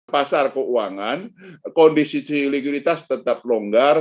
pasar keuangan kondisi likuiditas tetap longgar